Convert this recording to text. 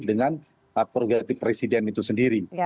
dengan atur ganti presiden itu sendiri